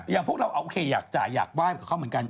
อย่างพวกเราโอเคอยากจ่ายอยากไห้กับเขาเหมือนกัน